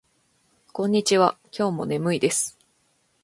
こんにちは。今日も眠いです。